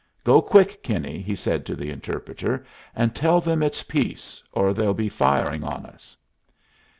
"Go quick, Kinney," he said to the interpreter, "and tell them it's peace, or they'll be firing on us."